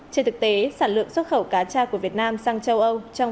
trên thực tế sản lượng xuất khẩu cá cha của việt nam sang châu âu